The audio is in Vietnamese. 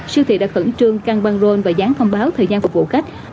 siêu thị đã khẩn trương căn băng roll và dán thông báo thời gian phục vụ khách